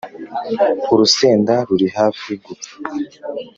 urusenda ruri hafi gupfa.